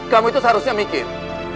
kamu itu seharusnya mikir